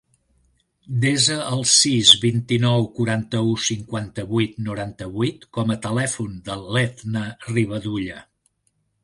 Desa el sis, vint-i-nou, quaranta-u, cinquanta-vuit, noranta-vuit com a telèfon de l'Etna Rivadulla.